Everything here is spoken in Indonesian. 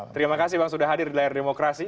terima kasih bang sudah hadir di layar demokrasi